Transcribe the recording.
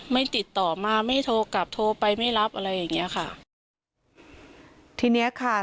ไม่ติดต่อมาไม่โทรกลับโทรไปไม่รับอะไรอย่างเงี้ยค่ะทีเนี้ยค่ะ